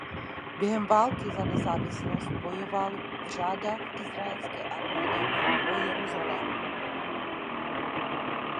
Během války za nezávislost bojoval v řadách izraelské armády o Jeruzalém.